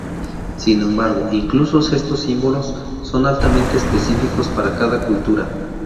Sin embargo, incluso estos símbolos son altamente específicos para cada cultura.